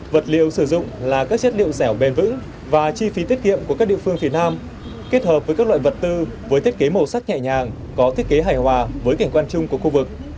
vật liệu sử dụng là các chất liệu dẻo bền vững và chi phí tiết kiệm của các địa phương phía nam kết hợp với các loại vật tư với thiết kế màu sắc nhẹ nhàng có thiết kế hài hòa với cảnh quan chung của khu vực